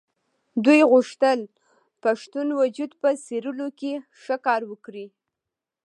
دوی غوښتل پښتون وجود په څېرلو کې ښه کار وکړي.